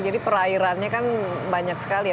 jadi perairannya kan banyak sekali ya